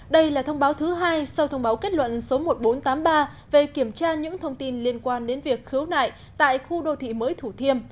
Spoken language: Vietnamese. đây là thông báo thứ hai sau thông báo kết luận số một nghìn bốn trăm tám mươi ba về kiểm tra những thông tin liên quan đến việc khứu nại tại khu đô thị mới thủ thiêm